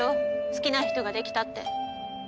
好きな人ができたって。